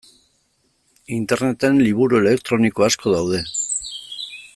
Interneten liburu elektroniko asko daude.